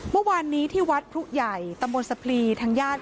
เมื่อวานนี้ที่วัดพรุใหญ่ตำบลสะพลีทางญาติ